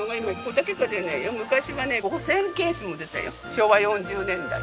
昭和４０年代。